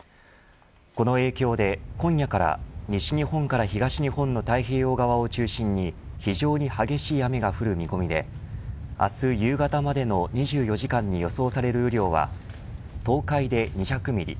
この影響で、今夜から西日本から東日本の太平洋側を中心に非常に激しい雨が降る見込みで明日夕方までの２４時間に予想される雨量は東海で２００ミリ